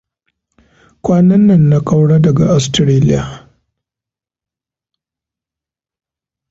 Kwanannan na kaura daga Australia.